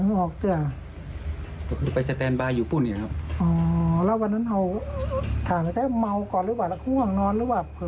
ถูกเป็นพูดตรงแต่ว่าต้องกินสร้างแก้วปี๒แค่นี้